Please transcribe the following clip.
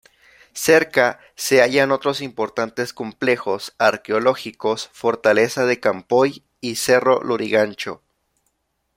Cerca se hallan otros importantes complejos arqueológicos: Fortaleza de Campoy y Cerro Lurigancho.